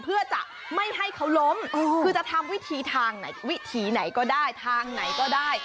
เพื่อจะไม่ให้เขาล้มคือจะทำวิธีทางไหนวิถีไหนก็ได้ทางไหนก็ได้